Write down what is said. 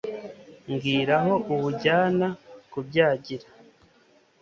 mbwira aho uwujyana kubyagira